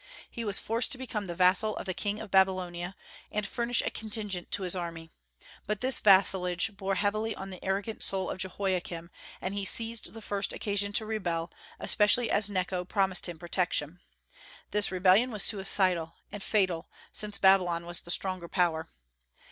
He was forced to become the vassal of the king of Babylonia, and furnish a contingent to his army. But this vassalage bore heavily on the arrogant soul of Jehoiakim, and he seized the first occasion to rebel, especially as Necho promised him protection. This rebellion was suicidal and fatal, since Babylon was the stronger power.